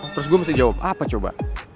terus gue mesti jawab apa coba